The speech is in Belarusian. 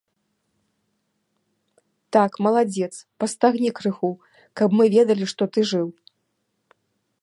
Так, маладзец, пастагні крыху, каб мы ведалі, што ты жыў.